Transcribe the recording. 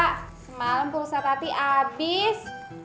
semalam pulsa tati abis